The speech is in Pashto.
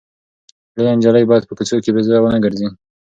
لويه نجلۍ باید په کوڅو کې بې ځایه ونه ګرځي.